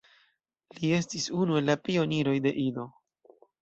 Li estis unu el la pioniroj de Ido.